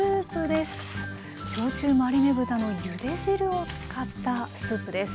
焼酎マリネ豚のゆで汁を使ったスープです。